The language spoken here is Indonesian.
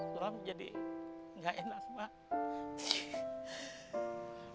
sulam jadi gak enak mak